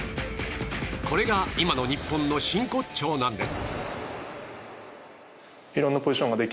これが、今の日本の真骨頂なんです。